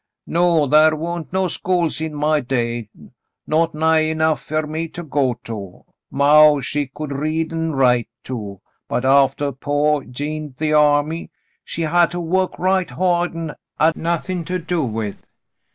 'No. Thar wa'n't no schools in my day, not nigh enough fer me to go to. Maw, she could read, an' write, too, but aftah paw jined the ahmy, she had to work right ha'd and had nothin' to do with.